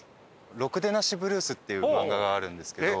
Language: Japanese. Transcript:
『ろくでなしＢＬＵＥＳ』っていう漫画があるんですけど。